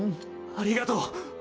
ありがとう。